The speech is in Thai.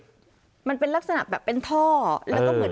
ยืนยันว่าม่อข้าวมาแกงลิงทั้งสองชนิด